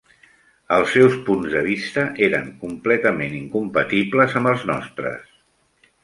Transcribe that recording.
Els seus punts de vista eren completament incompatibles amb els nostres.